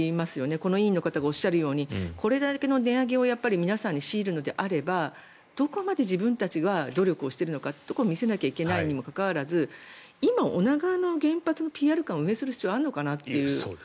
この委員の方がおっしゃるようにこれだけの値上げを皆さんに強いるのであればどこまで自分たちは努力しているのかを見せなきゃいけないにもかかわらず今、女川原発のＰＲ館を運営する必要があるのかなと。